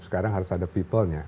sekarang harus ada people nya